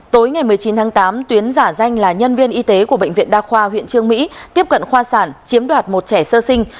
tối ngày một mươi chín tháng tám tuyến giả danh là nhân viên y tế của bệnh viện đa khoa huyện trương mỹ tiếp cận khoa sản chiếm đoạt một trẻ sơ sinh